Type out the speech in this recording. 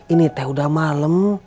ini teh udah malem